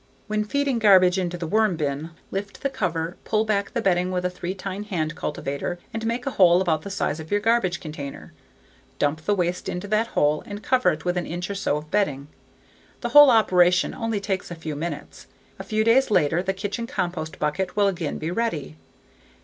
When feeding garbage into the worm bin, lift the cover, pull back the bedding with a three tine hand cultivator, and make a hole about the size of your garbage container. Dump the waste into that hole and cover it with an inch or so of bedding. The whole operation only takes a few minutes. A few days later the kitchen compost bucket will again be ready.